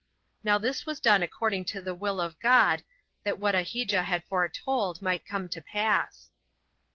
Now this was done according to the will of God, that what Ahijah had foretold might come to pass.